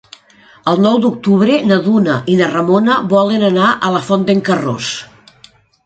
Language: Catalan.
El nou d'octubre na Duna i na Ramona volen anar a la Font d'en Carròs.